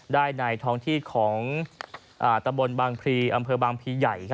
ได้ในท้องที่ของตำบลบางพรีอำเภอบางพีใหญ่